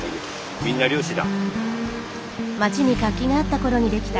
みんな漁師だ。